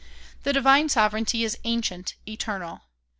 The divine sovereignty is ancient, eternal.